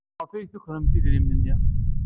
Maɣef ay tukremt idrimen-nni?